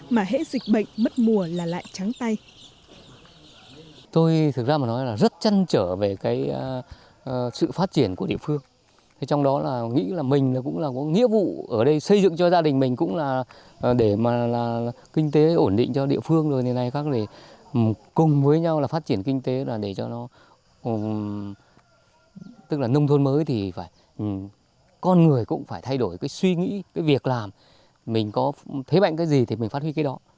mà hễ dịch bệnh mất mùa là lại trắng tay